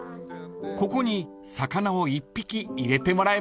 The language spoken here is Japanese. ［ここに魚を１匹入れてもらえます］